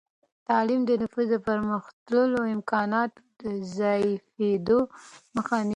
تعلیم د نفوس د پرمختللو امکاناتو د ضعیفېدو مخه نیسي.